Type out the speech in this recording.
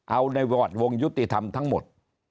เอาในวอร์ดวงยุติธรรมทั้งหมด